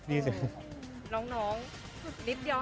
น้องสุดนิดเดียว